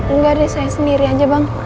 enggak dari saya sendiri aja bang